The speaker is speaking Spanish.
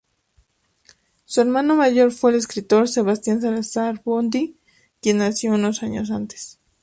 Su hermano mayor fue el escritor Sebastián Salazar Bondy, quien nació un año antes.